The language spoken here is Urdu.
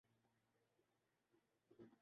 جن کا کام ہے۔